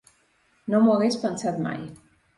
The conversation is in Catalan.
No m’ho hagués pensat mai.